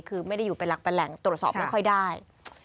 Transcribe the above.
คือไม่ได้อยู่เป็นหลักเป็นแหล่งตรวจสอบไม่ค่อยได้